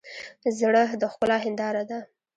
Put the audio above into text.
زړه د ښکلا هنداره ده.